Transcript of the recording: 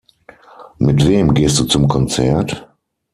Mit wem gehst du zum Konzert?